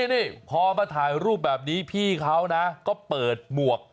นี่พอมาถ่ายรูปแบบนี้พี่เขาก็เปิดหมวก